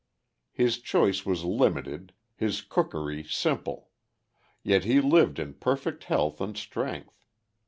His choice was limited, his cookery simple. Yet he lived in perfect health and strength.